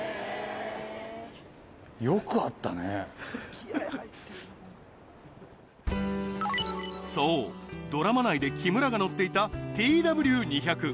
木村もそうドラマ内で木村が乗っていたＴＷ２００